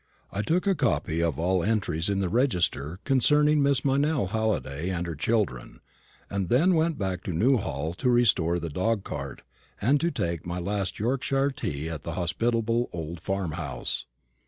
I took a copy of all entries in the register concerning Mrs. Meynell Halliday and her children, and then went back to Newhall to restore the dog cart, and to take my last Yorkshire tea at the hospitable old farm house.